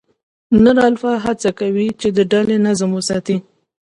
نر الفا هڅه کوي، چې د ډلې نظم وساتي.